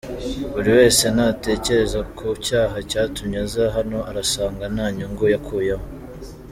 Buri wese natekereza ku cyaha cyatumye aza hano arasanga nta nyungu yakuyemo.